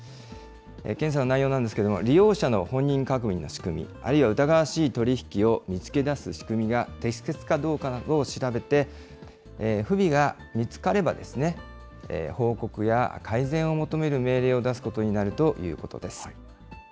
検査の内容なんですけれども、利用者の本人確認の仕組み、あるいは疑わしい取り引きを見つけ出す仕組みが適切かどうかなどを調べて、不備が見つかれば、報告や改善を求める命令を出すことになるということです。